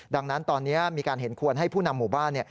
ดังนั้นตอนนี้มีการเห็นควรให้ผู้นำหมู่บ้าน